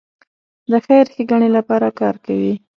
د خیر ښېګڼې لپاره کار کوي.